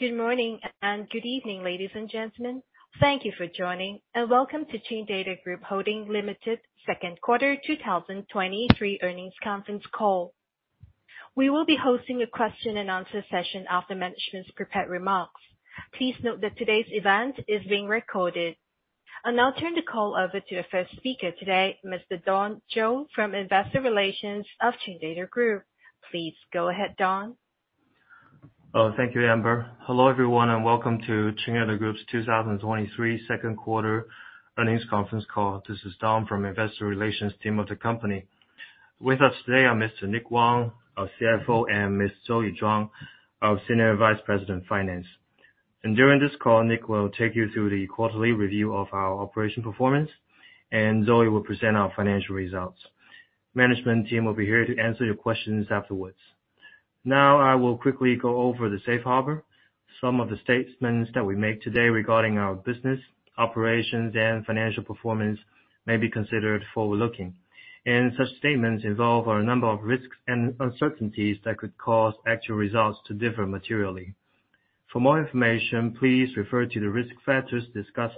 Good morning and good evening, ladies and gentlemen. Thank you for joining, and welcome to Chindata Group Holdings Limited Second Quarter 2023 Earnings Conference Call. We will be hosting a question and answer session after management's prepared remarks. Please note that today's event is being recorded. I'll now turn the call over to our first speaker today, Mr. Don Zhou, from Investor Relations of Chindata Group. Please go ahead, Don. Oh, thank you, Amber. Hello, everyone, and welcome to Chindata Group's 2023 Second Quarter Earnings Conference Call. This is Don from Investor Relations team of the company. With us today are Mr. Nick Wang, our CFO, and Ms. Zoe Zhuang, our Senior Vice President, Finance. During this call, Nick will take you through the quarterly review of our operation performance, and Zoe will present our financial results. Management team will be here to answer your questions afterwards. Now, I will quickly go over the safe harbor. Some of the statements that we make today regarding our business, operations, and financial performance may be considered forward-looking, and such statements involve a number of risks and uncertainties that could cause actual results to differ materially. For more information, please refer to the risk factors discussed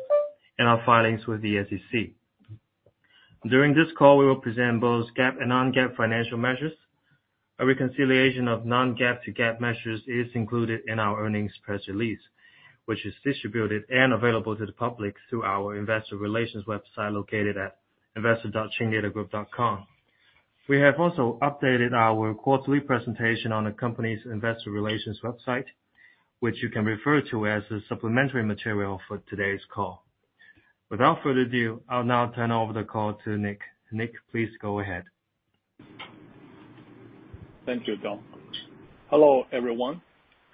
in our filings with the SEC. During this call, we will present both GAAP and non-GAAP financial measures. A reconciliation of non-GAAP to GAAP measures is included in our earnings press release, which is distributed and available to the public through our investor relations website, located at investor.chindatagroup.com. We have also updated our quarterly presentation on the company's investor relations website, which you can refer to as the supplementary material for today's call. Without further ado, I'll now turn over the call to Nick. Nick, please go ahead. Thank you, Don. Hello, everyone,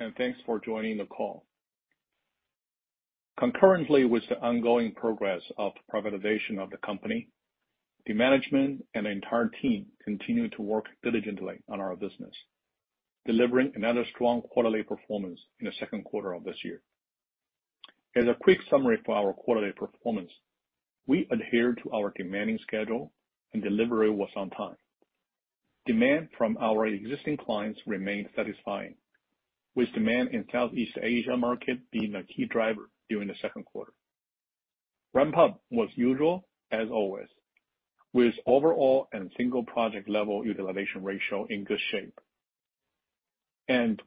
and thanks for joining the call. Concurrently with the ongoing progress of privatization of the company, the management and the entire team continue to work diligently on our business, delivering another strong quarterly performance in the second quarter of this year. As a quick summary for our quarterly performance, we adhere to our demanding schedule, and delivery was on time. Demand from our existing clients remained satisfying, with demand in Southeast Asia market being a key driver during the second quarter. Ramp-up was usual as always, with overall and single project level utilization ratio in good shape.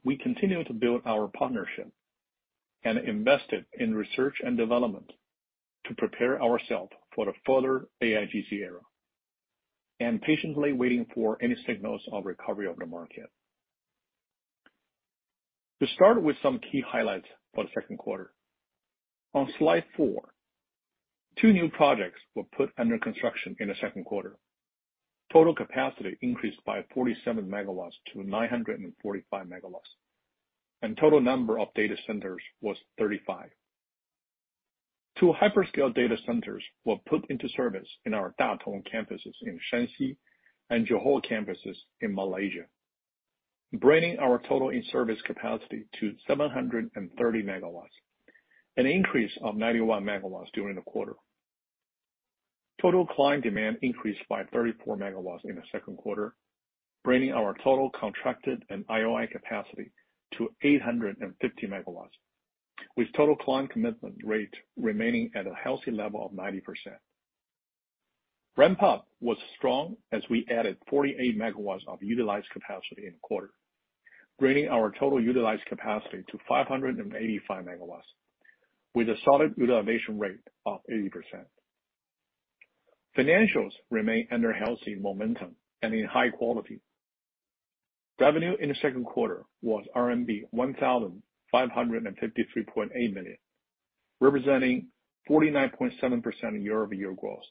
We continue to build our partnership and invested in research and development to prepare ourselves for the further AIGC era and patiently waiting for any signals on recovery of the market. To start with some key highlights for the second quarter, on slide 4, 2 new projects were put under construction in the second quarter. Total capacity increased by 47 MW to 945 MW, and total number of data centers was 35. 2 hyperscale data centers were put into service in our Datong campuses in Shanxi and Johor campuses in Malaysia, bringing our total in-service capacity to 730 MW, an increase of 91 MW during the quarter. Total client demand increased by 34 MW in the second quarter, bringing our total contracted and IOI capacity to 850 MW, with total client commitment rate remaining at a healthy level of 90%. Ramp-up was strong as we added 48 MW of utilized capacity in the quarter, bringing our total utilized capacity to 585 MW, with a solid utilization rate of 80%. Financials remain under healthy momentum and in high quality. Revenue in the second quarter was RMB 1,553.8 million, representing 49.7% year-over-year growth.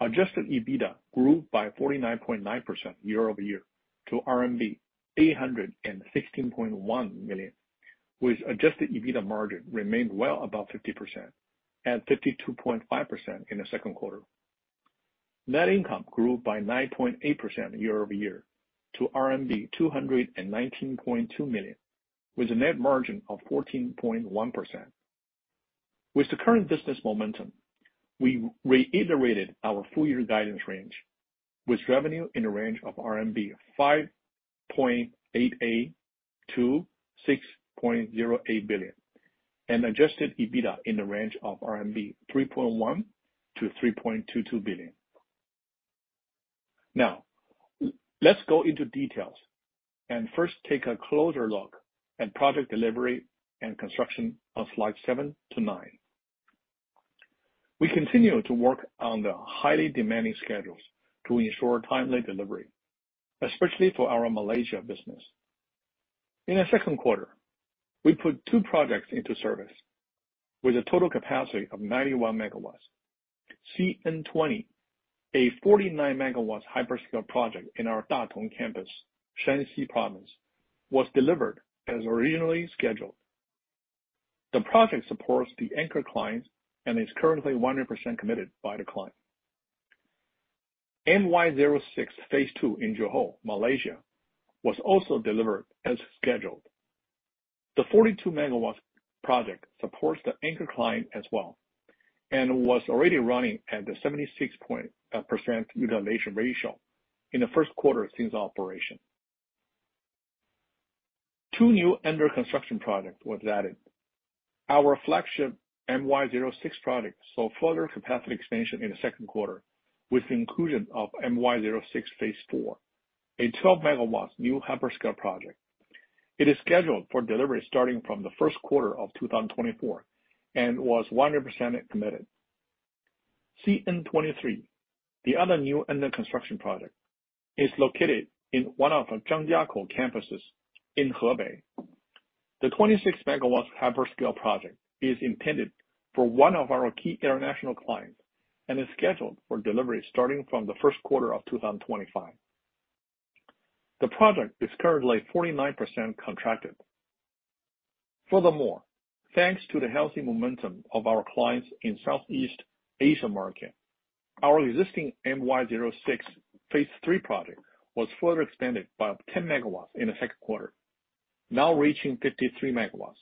Adjusted EBITDA grew by 49.9% year-over-year to RMB 816.1 million, with adjusted EBITDA margin remained well above 50%, at 52.5% in the second quarter. Net income grew by 9.8% year-over-year to RMB 219.2 million, with a net margin of 14.1%. With the current business momentum, we reiterated our full year guidance range, with revenue in the range of 5.88 billion-6.08 billion RMB and adjusted EBITDA in the range of 3.1 billion-3.22 billion RMB. Now, let's go into details, and first take a closer look at project delivery and construction on slide 7-9. We continue to work on the highly demanding schedules to ensure timely delivery, especially for our Malaysia business. In the second quarter, we put two projects into service with a total capacity of 91 MW. CN20, a 49 MW hyperscale project in our Datong campus, Shanxi Province, was delivered as originally scheduled. The project supports the anchor client and is currently 100% committed by the client. MY06 Phase 2 in Johor, Malaysia, was also delivered as scheduled. The 42 MW project supports the anchor client as well, and was already running at the 76% utilization ratio in the first quarter since operation. Two new under-construction project was added. Our flagship MY06 project saw further capacity expansion in the second quarter, with the inclusion of MY06 Phase 4, a 12 MW new hyperscale project. It is scheduled for delivery starting from the first quarter of 2024, and was 100% committed. CN23, the other new under-construction project, is located in one of Zhangjiakou campuses in Hebei. The 26 MW hyperscale project is intended for one of our key international clients and is scheduled for delivery starting from the first quarter of 2025. The project is currently 49% contracted. Furthermore, thanks to the healthy momentum of our clients in Southeast Asia market, our existing MY06 Phase 3 project was further expanded by 10 MW in the second quarter, now reaching 53 MW.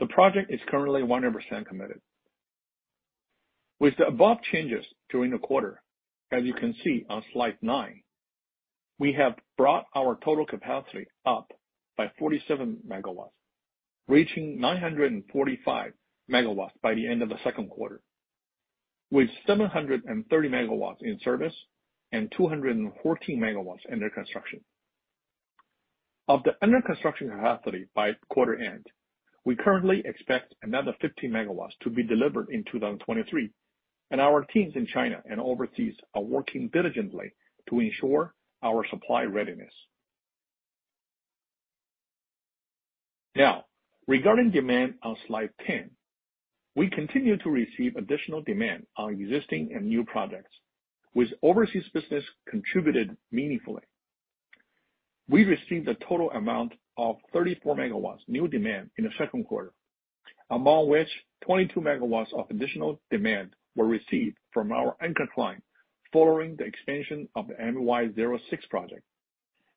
The project is currently 100% committed. With the above changes during the quarter, as you can see on slide 9, we have brought our total capacity up by 47 MW, reaching 945 MW by the end of the second quarter, with 730 MW in service and 214 MW under construction. Of the under-construction capacity by quarter-end, we currently expect another 15 MW to be delivered in 2023, and our teams in China and overseas are working diligently to ensure our supply readiness. Now, regarding demand on slide 10, we continue to receive additional demand on existing and new projects, with overseas business contributed meaningfully. We received a total amount of 34 MW new demand in the second quarter, among which 22 MW of additional demand were received from our anchor client following the expansion of the MY06 project.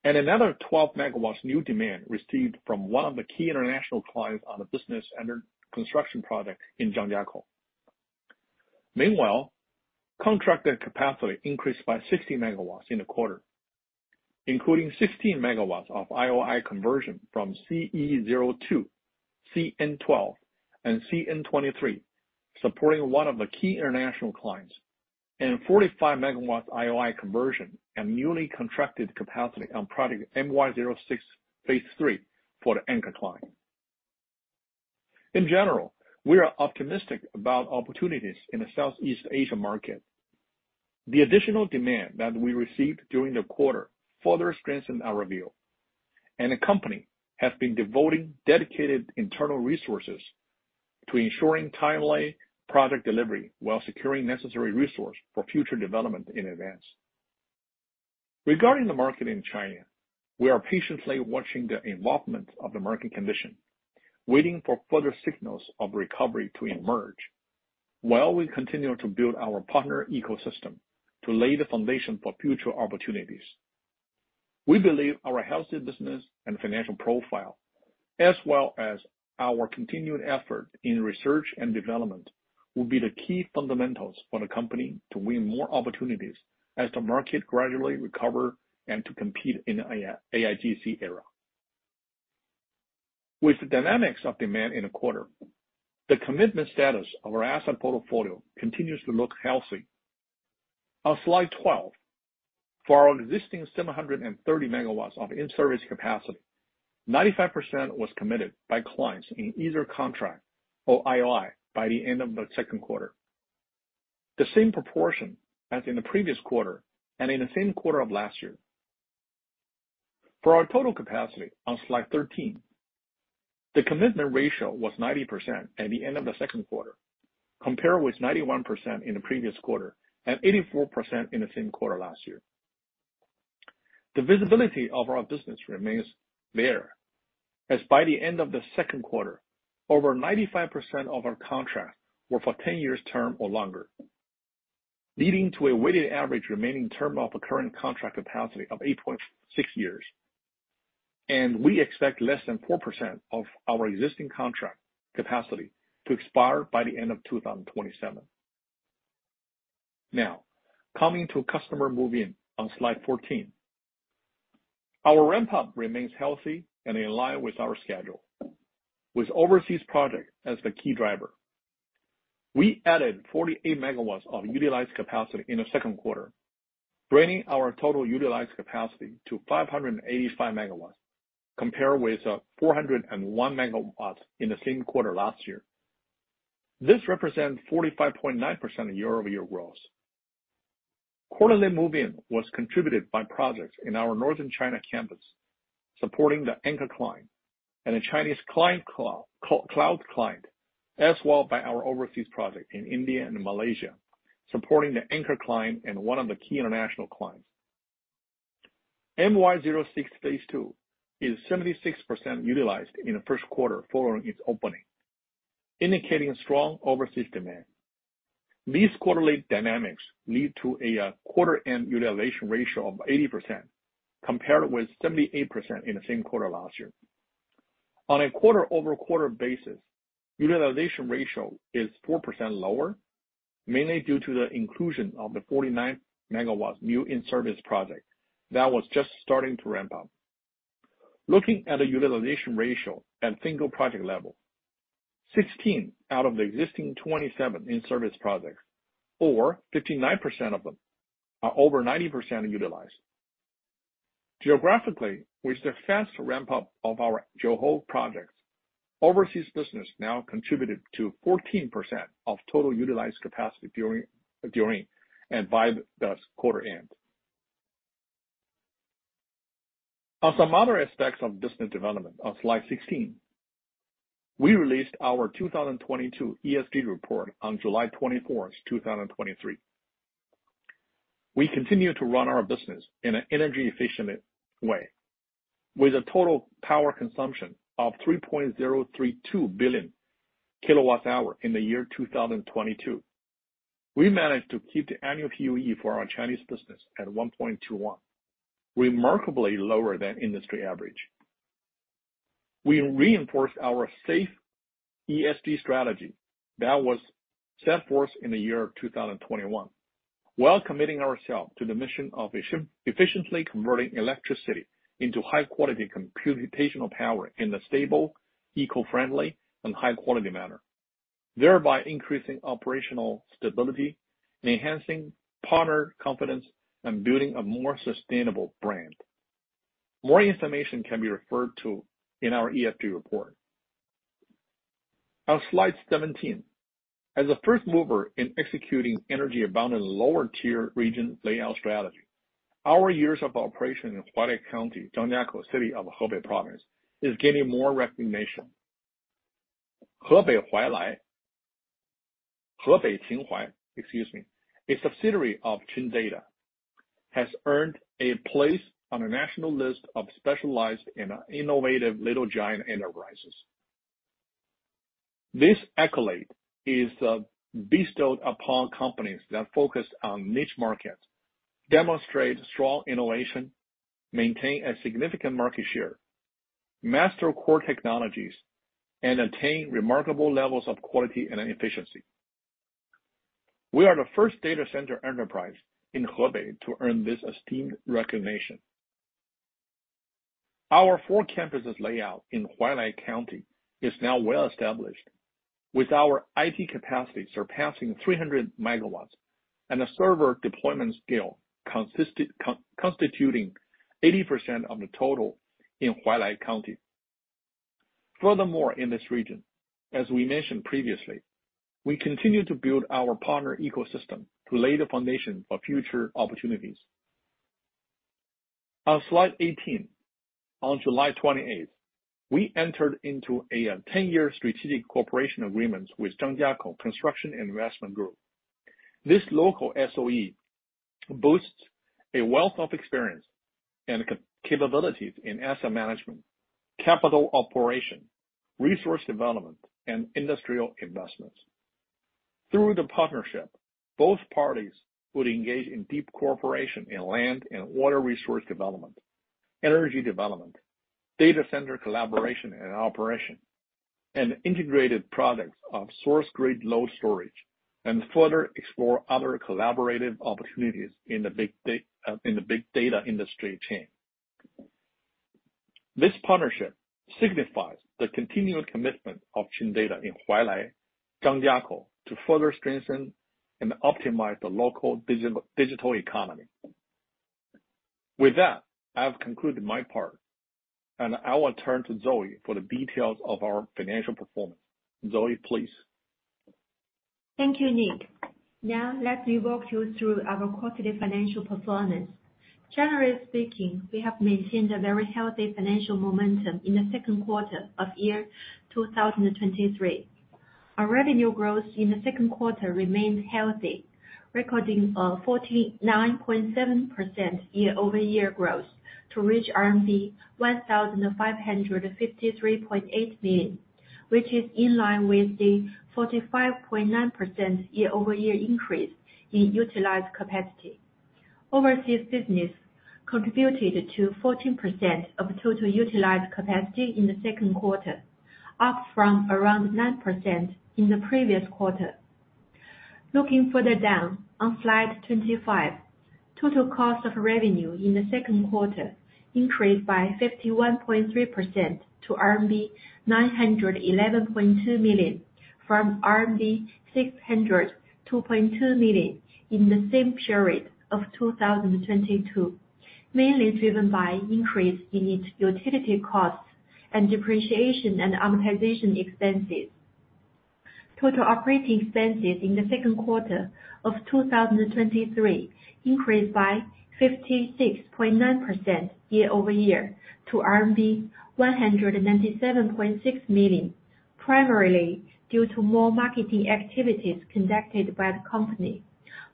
Another 12 MW new demand received from one of the key international clients on the business under construction project in Zhangjiakou. Meanwhile, contracted capacity increased by 60 MW in the quarter, including 16 MW of IOI conversion from CE02, CN12, and CN23, supporting one of the key international clients, and 45 MW IOI conversion and newly contracted capacity on project MY06 Phase 3 for the anchor client. In general, we are optimistic about opportunities in the Southeast Asia market. The additional demand that we received during the quarter further strengthened our revenue, and the company has been devoting dedicated internal resources to ensuring timely project delivery while securing necessary resources for future development in advance. Regarding the market in China, we are patiently watching the involvement of the market condition, waiting for further signals of recovery to emerge, while we continue to build our partner ecosystem to lay the foundation for future opportunities. We believe our healthy business and financial profile, as well as our continued effort in research and development, will be the key fundamentals for the company to win more opportunities as the market gradually recovers and to compete in AI, AIGC era. With the dynamics of demand in the quarter, the commitment status of our asset portfolio continues to look healthy. On slide 12, for our existing 730 MW of in-service capacity, 95% was committed by clients in either contract or IOI by the end of the second quarter, the same proportion as in the previous quarter and in the same quarter of last year. For our total capacity on slide 13, the commitment ratio was 90% at the end of the second quarter, compared with 91% in the previous quarter and 84% in the same quarter last year. The visibility of our business remains there, as by the end of the second quarter, over 95% of our contracts were for 10-year term or longer, leading to a weighted average remaining term of the current contract capacity of 8.6 years. We expect less than 4% of our existing contract capacity to expire by the end of 2027. Now, coming to customer move-in on slide 14. Our ramp-up remains healthy and in line with our schedule, with overseas project as the key driver. We added 48 MW of utilized capacity in the second quarter, bringing our total utilized capacity to 585 MW, compared with 401 MW in the same quarter last year. This represents 45.9% year-over-year growth. Quarterly move-in was contributed by projects in our Northern China campus, supporting the anchor client and a Chinese cloud client, as well by our overseas project in India and Malaysia, supporting the anchor client and one of the key international clients. MY06 Phase 2 is 76% utilized in the first quarter following its opening, indicating strong overseas demand. These quarterly dynamics lead to a quarter-end utilization ratio of 80%, compared with 78% in the same quarter last year. On a quarter-over-quarter basis, utilization ratio is 4% lower, mainly due to the inclusion of the 49 MW new in-service project that was just starting to ramp-up. Looking at the utilization ratio at single project level, 16 out of the existing 27 in-service projects, or 59% of them, are over 90% utilized. Geographically, with success to ramp-up of our Johor projects, overseas business now contributed to 14% of total utilized capacity during and by the quarter-end. On some other aspects of business development on slide 16, we released our 2022 ESG report on July 24, 2023. We continue to run our business in an energy-efficient way, with a total power consumption of 3.032 billion kWh in the year 2022. We managed to keep the annual PUE for our Chinese business at 1.21, remarkably lower than industry average. We reinforce our safe ESG strategy that was set forth in the year 2021, while committing ourselves to the mission of efficiently converting electricity into high quality computational power in a stable, eco-friendly, and high quality manner, thereby increasing operational stability and enhancing partner confidence and building a more sustainable brand. More information can be referred to in our ESG report. On slide 17, as a first mover in executing energy abundant lower tier region layout strategy, our years of operation in Huailai County, Zhangjiakou City of Hebei Province, is gaining more recognition. Hebei Qinhuai, excuse me, a subsidiary of Chindata, has earned a place on a national list of specialized and innovative Little Giant enterprises. This accolade is bestowed upon companies that focus on niche markets, demonstrate strong innovation, maintain a significant market share, master core technologies, and attain remarkable levels of quality and efficiency. We are the first data center enterprise in Hebei to earn this esteemed recognition. Our four campuses layout in Huailai County is now well established, with our IT capacity surpassing 300 MW and a server deployment scale constituting 80% of the total in Huailai County. Furthermore, in this region, as we mentioned previously, we continue to build our partner ecosystem to lay the foundation for future opportunities. On slide 18, on July 28th, we entered into a 10-year strategic cooperation agreement with Zhangjiakou Construction Investment Group. This local SOE boasts a wealth of experience and capabilities in asset management, capital operation, resource development, and industrial investments. Through the partnership, both parties would engage in deep cooperation in land and water resource development, energy development, data center collaboration and operation, and integrated products of source-grid-load-storage, and further explore other collaborative opportunities in the big data industry chain. This partnership signifies the continued commitment of Chindata in Huailai, Zhangjiakou, to further strengthen and optimize the local digital economy. With that, I've concluded my part, and I will turn to Zoe for the details of our financial performance. Zoe, please. Thank you, Nick. Now, let me walk you through our quarterly financial performance. Generally speaking, we have maintained a very healthy financial momentum in the second quarter of 2023. Our revenue growth in the second quarter remained healthy, recording 49.7% year-over-year growth to reach RMB 1,553.8 million, which is in line with the 45.9% year-over-year increase in utilized capacity. Overseas business contributed to 14% of total utilized capacity in the second quarter, up from around 9% in the previous quarter. Looking further down, on slide 25, total cost of revenue in the second quarter increased by 51.3% to RMB 911.2 million, from RMB 602.2 million in the same period of 2022, mainly driven by increase in its utility costs and depreciation and amortization expenses. Total operating expenses in the second quarter of 2023 increased by 56.9% year-over-year to RMB 197.6 million, primarily due to more marketing activities conducted by the company,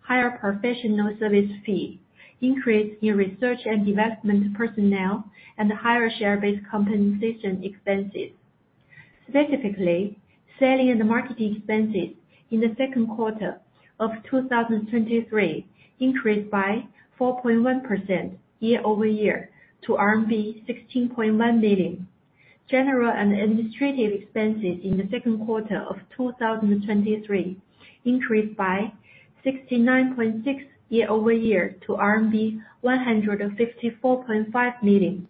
higher professional service fees increase in research and development personnel, and higher share-based compensation expenses. Specifically, selling and marketing expenses in the second quarter of 2023 increased by 4.1% year-over-year to RMB 16.1 million. General and administrative expenses in the second quarter of 2023 increased by 69.6% year-over-year to RMB 154.5 million.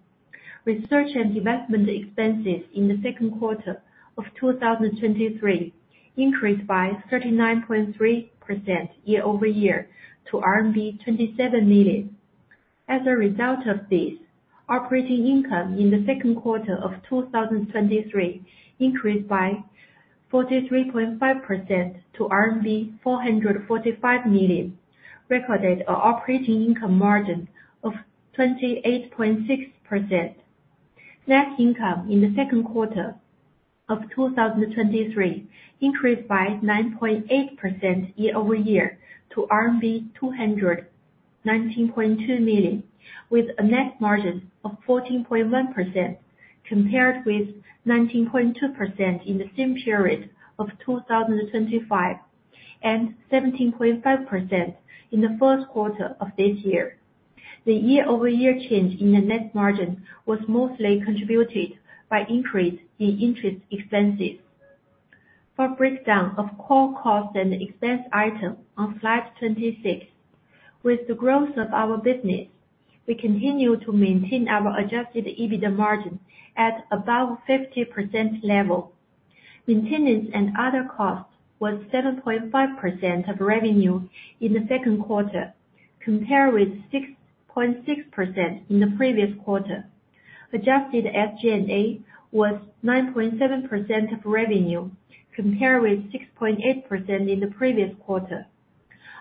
Research and development expenses in the second quarter of 2023 increased by 39.3% year-over-year to RMB 27 million. As a result of this, operating income in the second quarter of 2023 increased by 43.5% to RMB 445 million, recorded an operating income margin of 28.6%. Net income in the second quarter of 2023 increased by 9.8% year-over-year to RMB 219.2 million, with a net margin of 14.1%, compared with 19.2% in the same period of 2025, and 17.5% in the first quarter of this year. The year-over-year change in the net margin was mostly contributed by increase in interest expenses. For a breakdown of core costs and expense item on slide 26, with the growth of our business, we continue to maintain our adjusted EBITDA margin at above 50% level. Maintenance and other costs was 7.5% of revenue in the second quarter, compared with 6.6% in the previous quarter. Adjusted SG&A was 9.7% of revenue, compared with 6.8% in the previous quarter.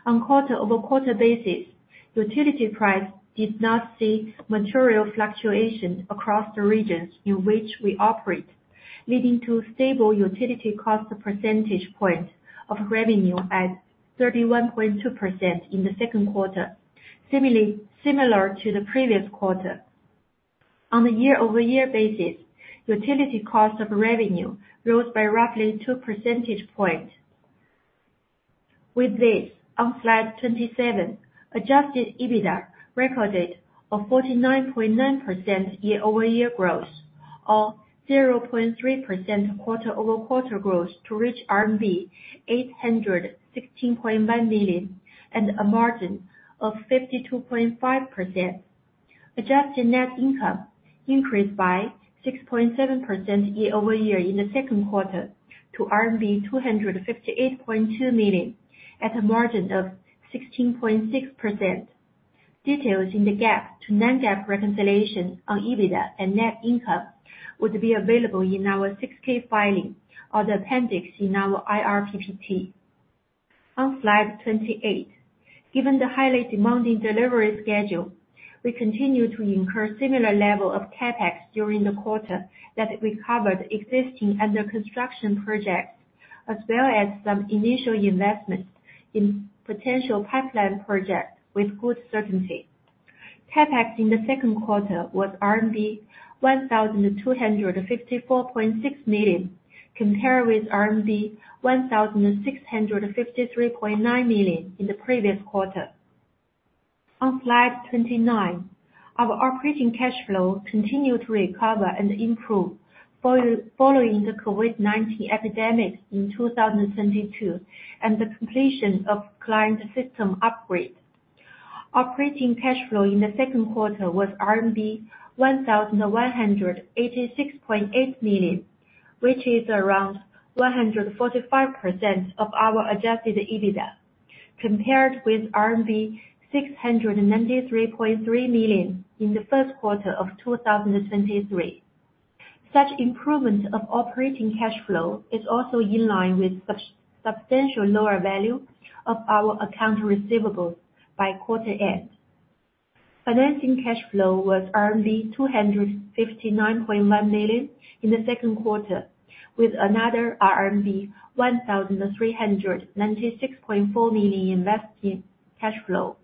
On a quarter-over-quarter basis, utility price did not see material fluctuation across the regions in which we operate, leading to stable utility cost percentage points of revenue at 31.2% in the second quarter, similar to the previous quarter. On a year-over-year basis, utility cost of revenue rose by roughly two percentage points. With this, on slide 27, adjusted EBITDA recorded a 49.9% year-over-year growth or 0.3% quarter-over-quarter growth to reach RMB 816.1 million, and a margin of 52.5%. Adjusted net income increased by 6.7% year-over-year in the second quarter to RMB 258.2 million, at a margin of 16.6%. Details in the GAAP to non-GAAP reconciliation on EBITDA and net income would be available in our 6-K filing or the appendix in our IR PPT. On slide 28, given the highly demanding delivery schedule, we continue to incur similar level of CapEx during the quarter that recovered existing under construction projects, as well as some initial investments in potential pipeline projects with good certainty. CapEx in the second quarter was RMB 1,254.6 million, compared with RMB 1,653.9 million in the previous quarter. On slide 29, our operating cash flow continued to recover and improve following the COVID-19 epidemic in 2022, and the completion of client system upgrade. Operating cash flow in the second quarter was RMB 1,186.8 million, which is around 145% of our adjusted EBITDA, compared with RMB 693.3 million in the first quarter of 2023. Such improvement of operating cash flow is also in line with substantial lower value of our accounts receivable by quarter-end. Financing cash flow was RMB 259.1 million in the second quarter, with another RMB 1,396.4 million invested cash flow.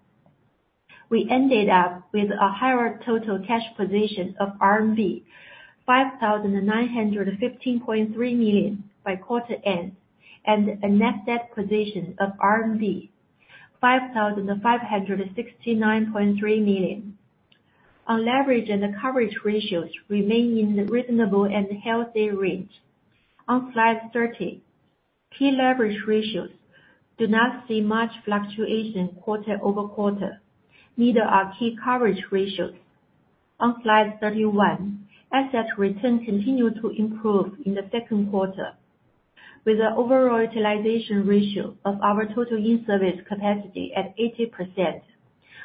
We ended up with a higher total cash position of RMB 5,915.3 million by quarter-end, and a net debt position of RMB 5,569.3 million. Our leverage and the coverage ratios remain in the reasonable and healthy range. On slide 30, key leverage ratios do not see much fluctuation quarter-over-quarter, neither are key coverage ratios. On slide 31, asset returns continued to improve in the second quarter, with the overall utilization ratio of our total in-service capacity at 80%.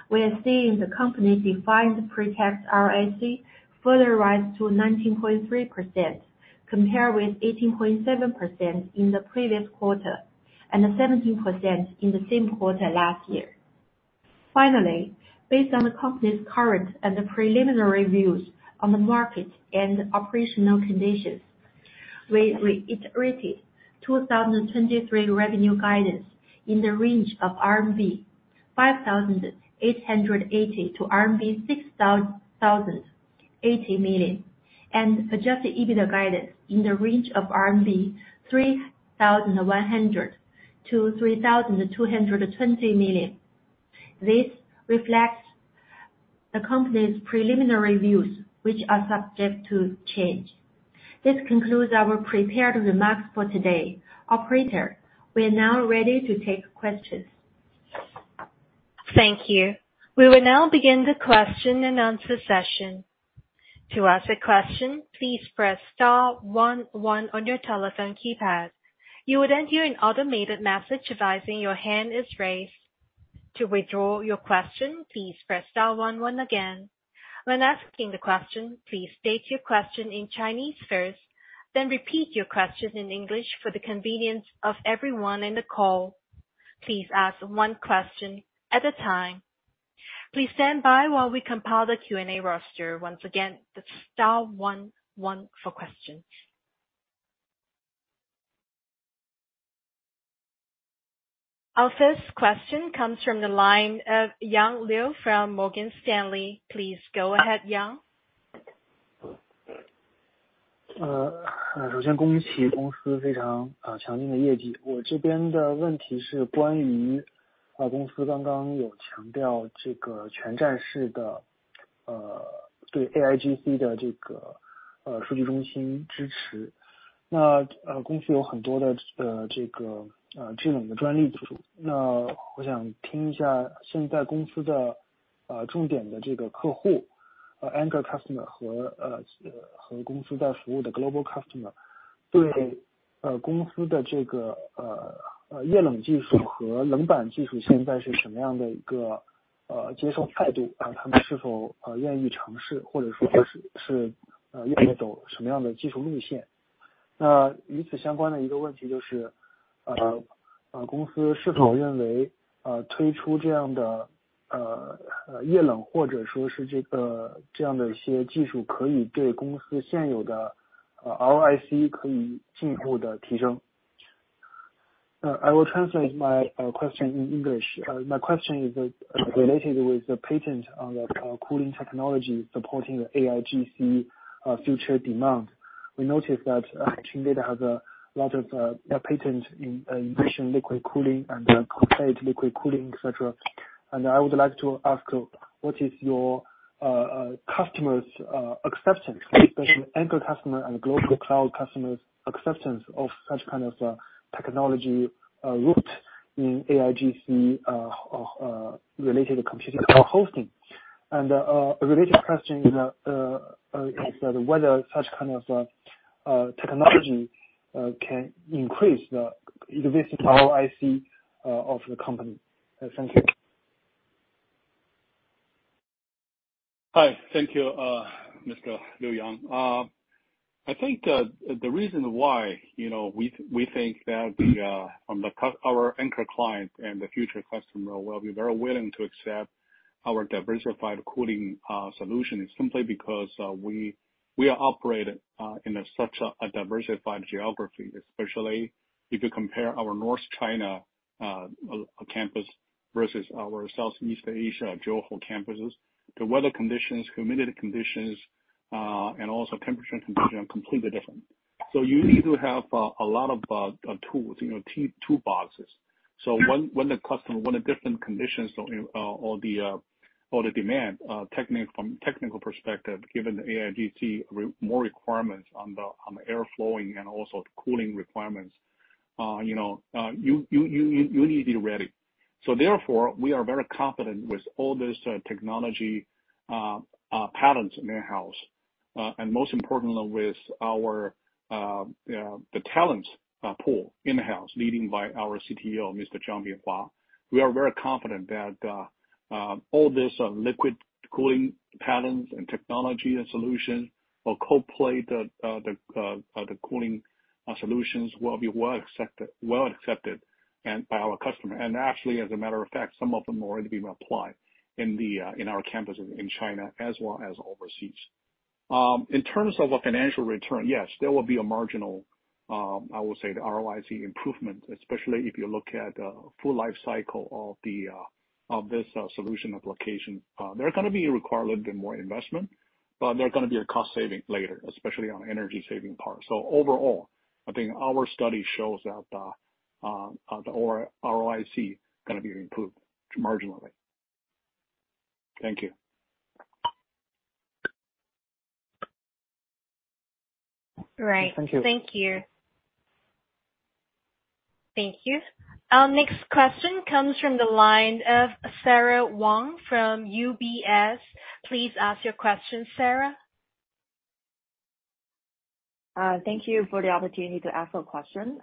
We are seeing the company-defined pre-tax ROC further rise to 19.3%, compared with 18.7% in the previous quarter, and 17% in the same quarter last year. Finally, based on the company's current and preliminary views on the market and operational conditions, we reiterated 2023 revenue guidance in the range of RMB 5,880 million-6,080 million RMB, and adjusted EBITDA guidance in the range of 3,100 million-3,220 million RMB. This reflects the company's preliminary views, which are subject to change. This concludes our prepared remarks for today. Operator, we are now ready to take questions. Thank you. We will now begin the question and answer session. To ask a question, please press star one one on your telephone keypad. You would hear an automated message advising your hand is raised. To withdraw your question, please press star one one again. When asking the question, please state your question in Chinese first, then repeat your question in English for the convenience of everyone in the call. Please ask one question at a time. Please stand by while we compile the Q&A roster. Once again, the star one one for questions. Our first question comes from the line of Yang Liu from Morgan Stanley. Please go ahead, Yang. I will translate my question in English. My question is related with the patent on the cooling technology supporting the AIGC future demand. We noticed that Chindata has a lot of patents in immersion liquid cooling and cold plate liquid cooling, et cetera. And I would like to ask, what is your customer's acceptance, especially anchor customer and global cloud customers' acceptance of such kind of technology route in AIGC-related to computing cloud hosting? And a related question is whether such kind of technology can increase the ROIC of the company. Thank you. Hi. Thank you, Mr. Yang Liu. I think, the reason why, you know, we think that the from our anchor client and the future customer will be very willing to accept our diversified cooling solution is simply because, we are operated in such a diversified geography. Especially if you compare our North China campus versus our Southeast Asia, Johor campuses. The weather conditions, humidity conditions, and also temperature conditions are completely different. So you need to have a lot of tools, you know, toolboxes. So when, when the customer wants different conditions, or the demand from technical perspective, given the AIGC, more requirements on the airflow and also the cooling requirements, you know, you need to be ready. So therefore, we are very confident with all this technology, patents in-house, and most importantly, with our the talent pool in-house, leading by our CTO, Mr. Zhang Binghua. We are very confident that all this liquid cooling patents and technology and solution or cold plate, the cooling solutions will be well accepted, well accepted, and by our customer. Actually, as a matter of fact, some of them are already being applied in the, in our campus in China as well as overseas. In terms of a financial return, yes, there will be a marginal, I would say the ROIC improvement, especially if you look at full life cycle of the, of this, solution application. There are gonna be requirement and more investment, but there are gonna be a cost saving later, especially on energy saving part. So overall, I think our study shows that, the ROIC gonna be improved marginally. Thank you. Great. Thank you. Thank you. Thank you. Our next question comes from the line of Sarah Wang from UBS. Please ask your question, Sarah. Thank you for the opportunity to ask a question.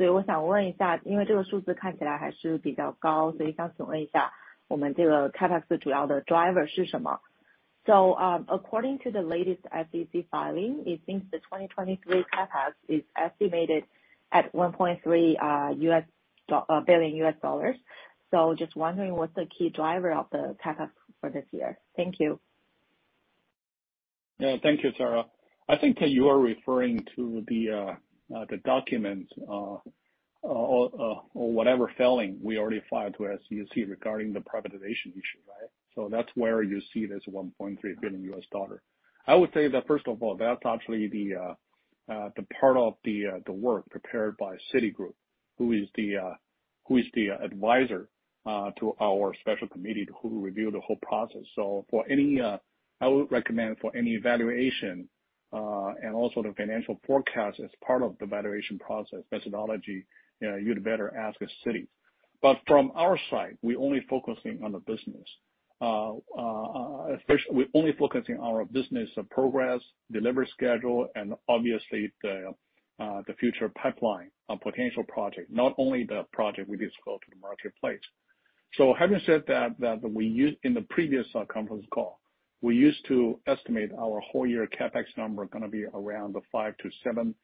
So, according to the latest SEC filing, it seems the 2023 CapEx is estimated at $1.3 billion. So just wondering what's the key driver of the CapEx for this year? Thank you. Yeah. Thank you, Sarah. I think that you are referring to the document or whatever filing we already filed to SEC regarding the privatization issue, right? So that's where you see this $1.3 billion. I would say that first of all, that's actually the part of the work prepared by Citigroup, who is the advisor to our special committee, who review the whole process. So for any, I would recommend for any evaluation and also the financial forecast as part of the valuation process methodology, you'd better ask Citi. But from our side, we're only focusing on the business. Especially, we're only focusing our business progress, delivery schedule, and obviously, the future pipeline of potential project, not only the project we disclose to the marketplace. So having said that, that we used in the previous conference call, we used to estimate our whole year CapEx number gonna be around 5 billion-7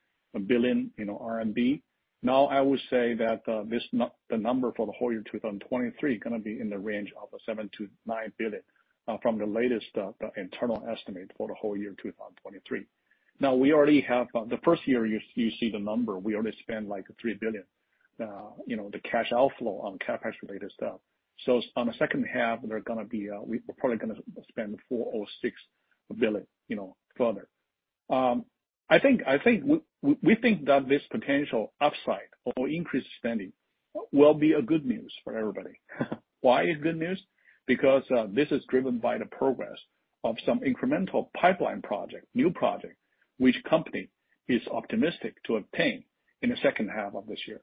billion, you know, RMB. Now, I would say that, this the number for the whole year, 2023, gonna be in the range of 7 billion-9 billion, from the latest internal estimate for the whole year, 2023. Now, we already have, the first year you see the number, we already spent, like, 3 billion, you know, the cash outflow on CapEx-related stuff. So on the second half, we're gonna be, we're probably gonna spend 4 billion or 6 billion, you know, further. I think, we think that this potential upside or increased spending will be a good news for everybody. Why is good news? Because, this is driven by the progress of some incremental pipeline project, new project, which company is optimistic to obtain in the second half of this year.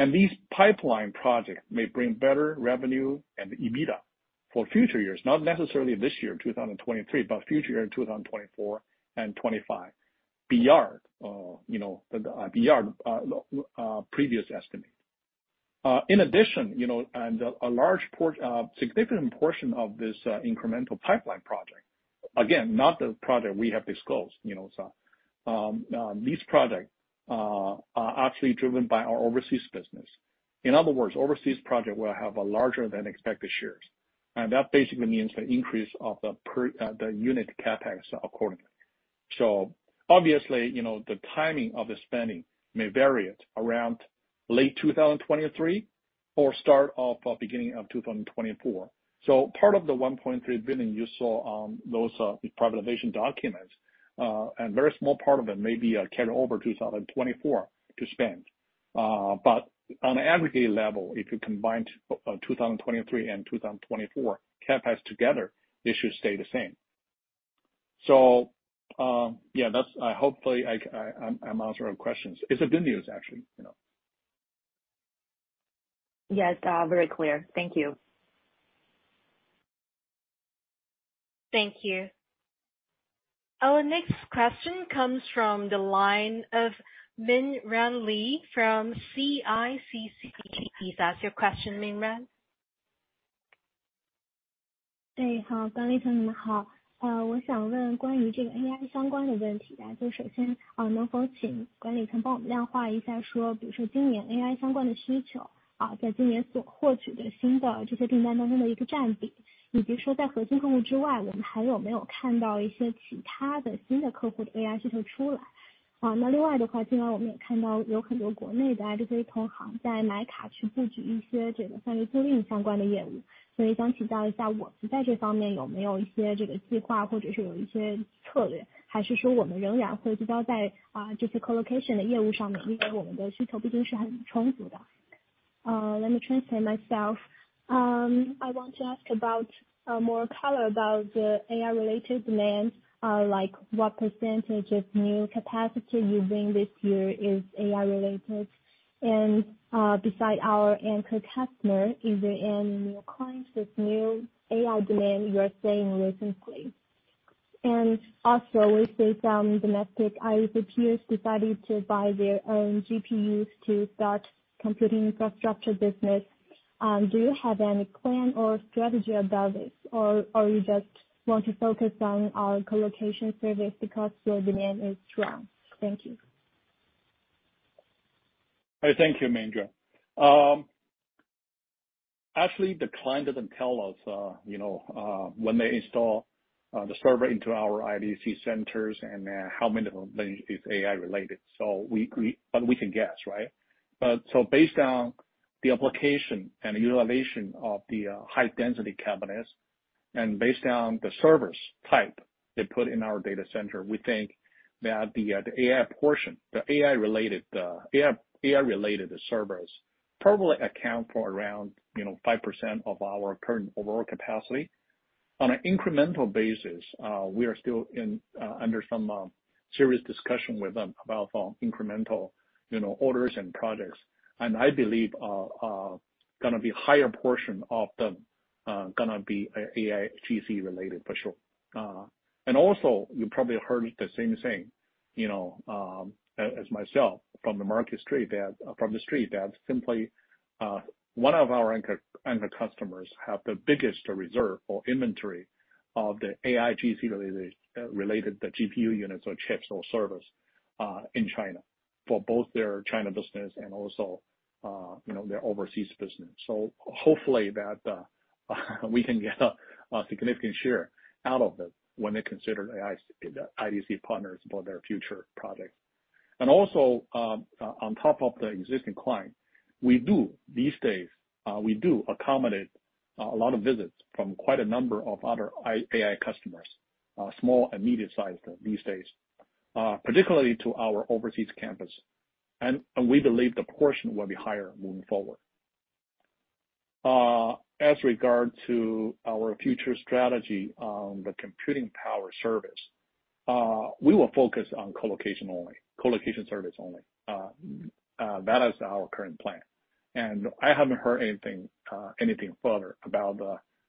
And these pipeline projects may bring better revenue and EBITDA for future years, not necessarily this year, 2023, but future year, 2024 and 2025, beyond, you know, beyond previous estimate. In addition, you know, and a significant portion of this incremental pipeline project, again, not the project we have disclosed, you know, so these projects are actually driven by our overseas business. In other words, overseas project will have a larger than expected shares, and that basically means an increase of the unit CapEx accordingly. So obviously, you know, the timing of the spending may vary at around late 2023 or start of beginning of 2024. So part of the $1.3 billion you saw those privatization documents, and very small part of it may be carry over to 2024 to spend. But on an aggregate level, if you combine 2023 and 2024 CapEx together, they should stay the same. So, yeah, that's hopefully I’m answering questions. It's a good news, actually, you know? Yes, very clear. Thank you. Thank you. Our next question comes from the line of Mingran Li from CICC. Please ask your question, Ming Ran. Let me translate myself. I want to ask about more color about the AI-related demand. Like, what percentage of new capacity using this year is AI-related? And, besides our anchor customer, is there any new clients with new AI demand you are seeing recently? And also, we see some domestic ISP peers decided to buy their own GPUs to start computing infrastructure business. Do you have any plan or strategy about this, or you just want to focus on our colocation service because your demand is strong? Thank you. Thank you, Ming Ran. Actually, the client doesn't tell us, you know, when they install the server into our IDC centers and how many of them is AI-related, so but we can guess, right? But so based on the application and utilization of the high density cabinets, and based on the server type they put in our data center, we think that the AI portion, the AI-related servers, probably account for around, you know, 5% of our current overall capacity. On an incremental basis, we are still under some serious discussion with them about incremental, you know, orders and products. And I believe gonna be higher portion of the gonna be AIGC related, for sure. And also you probably heard the same thing, you know, as myself from the Street that simply one of our anchor customers have the biggest reserve or inventory of the AIGC-related GPU units or chips or service in China for both their China business and also, you know, their overseas business. So hopefully that we can get a significant share out of it when they consider AI IDC partners for their future projects. And also, on top of the existing client, we do these days accommodate a lot of visits from quite a number of other AI customers, small and medium-sized these days, particularly to our overseas campus. And we believe the portion will be higher moving forward. As regard to our future strategy on the computing power service, we will focus on colocation only, colocation service only. That is our current plan. I haven't heard anything, anything further about,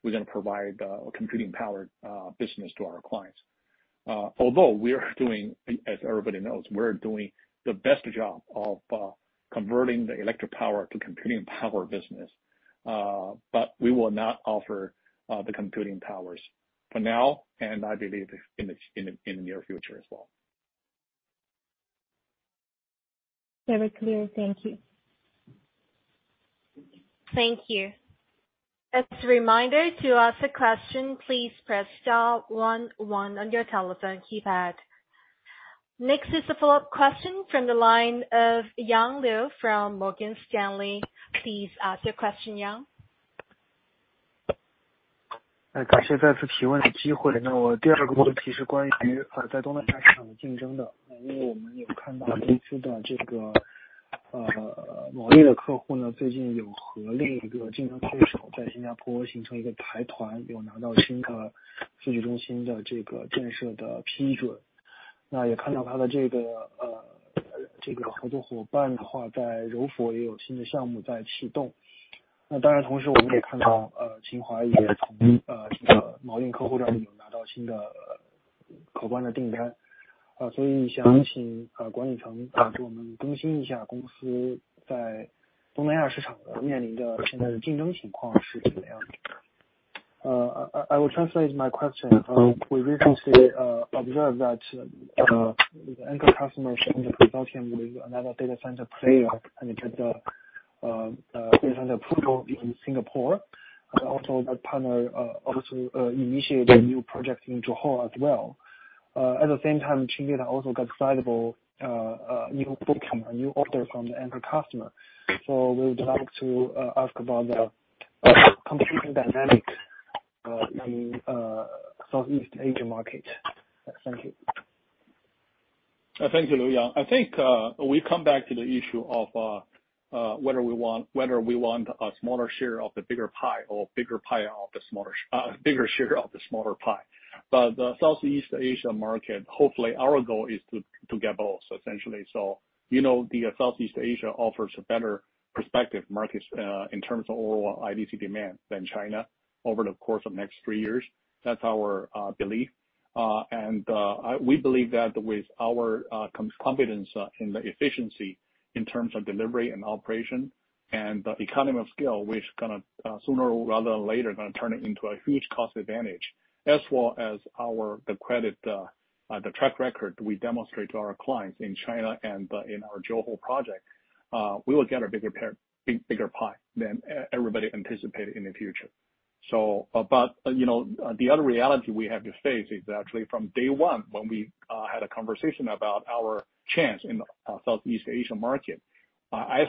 we're gonna provide, a computing power, business to our clients. Although we are doing, as everybody knows, we're doing the best job of, converting the electric power to computing power business. We will not offer, the computing power for now, and I believe in the, in, in the near future as well. Very clear. Thank you. Thank you. As a reminder, to ask a question, please press star one one on your telephone keypad. Next is a follow-up question from the line of Yang Liu from Morgan Stanley. Please ask your question, Yang. I will translate my question. We recently observed that the anchor customer signed a consortium with another data center player, and it is based on the portal in Singapore. And also that partner also initiated a new project in Johor as well. At the same time, Chindata also got a sizable new booking, a new order from the anchor customer. So we would like to ask about the computing dynamics in the Southeast Asia market. Thank you. Thank you, Yang Liu. I think we've come back to the issue of whether we want a smaller share of the bigger pie or bigger share of the smaller pie. But the Southeast Asia market, hopefully, our goal is to get both, essentially. So, you know, the Southeast Asia offers a better prospective market in terms of overall IDC demand than China over the course of next three years. That's our belief. We believe that with our competence and efficiency in terms of delivery and operation and the economy of scale, which gonna sooner rather than later gonna turn it into a huge cost advantage, as well as our credit, the track record we demonstrate to our clients in China and in our Johor project, we will get a bigger share, bigger pie than everybody anticipated in the future. So, but you know, the other reality we have to face is actually from day one, when we had a conversation about our chances in the Southeast Asian market, I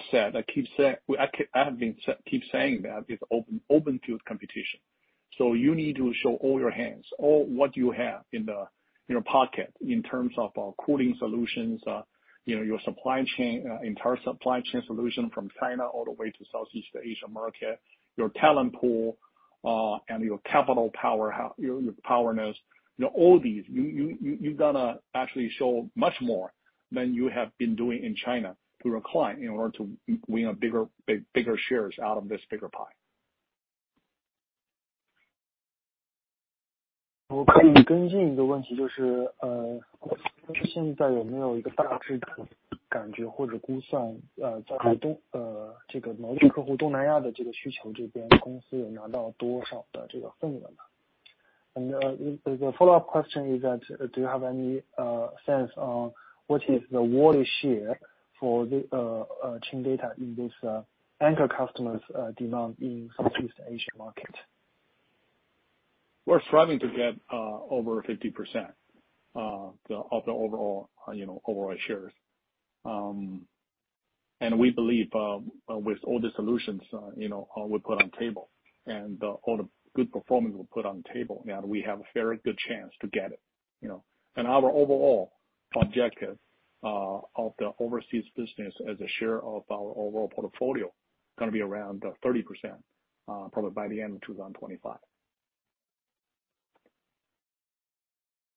keep saying that it's open field competition. So you need to show all your hands, all what you have in the, in your pocket in terms of cooling solutions, you know, your supply chain, entire supply chain solution from China all the way to Southeast Asia market, your talent pool, and your capital power, your powerness, you know, all these, you gonna actually show much more than you have been doing in China to recline in order to win a bigger, bigger shares out of this bigger pie. The follow-up question is, do you have any sense on what is the wallet share for the Chindata in this anchor customers demand in Southeast Asia market? We're striving to get over 50% of the overall, you know, overall shares. And we believe with all the solutions, you know, we put on table and all the good performance we put on the table, that we have a very good chance to get it, you know. And our overall objective of the overseas business as a share of our overall portfolio gonna be around 30%, probably by the end of 2025.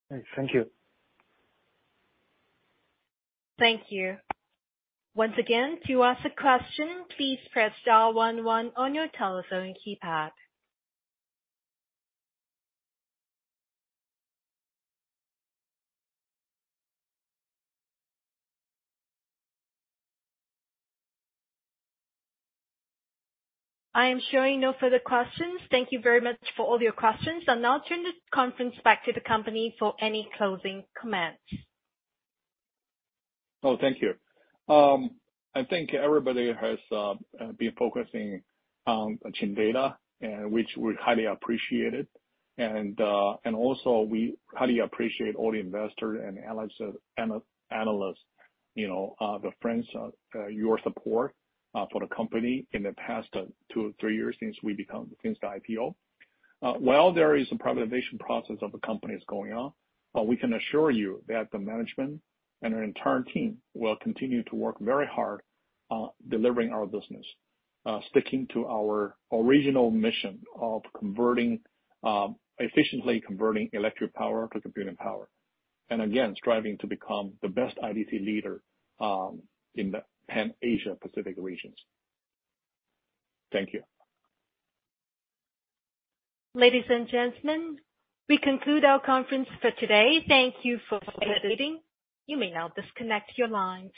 Thank you. Thank you. Once again, to ask a question, please press star one one on your telephone keypad. I am showing no further questions. Thank you very much for all your questions. I'll now turn the conference back to the company for any closing comments. Oh, thank you. I think everybody has been focusing on Chindata, and which we highly appreciate it. And also we highly appreciate all the investors and analysts, analysts, you know, the friends, your support, for the company in the past two or three years since we become, since the IPO. While there is a privatization process of the company going on, we can assure you that the management and our entire team will continue to work very hard, delivering our business, sticking to our original mission of converting, efficiently converting electric power to computing power, and again, striving to become the best IDC leader, in the Pan-Asia Pacific regions. Thank you. Ladies and gentlemen, we conclude our conference for today. Thank you for participating. You may now disconnect your lines.